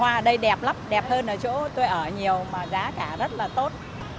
hoa ở đây đẹp lắm đẹp hơn ở chỗ tôi ở nhiều mà giá cả rất là tốt